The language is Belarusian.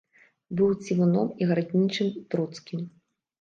Быў цівуном і гараднічым троцкім.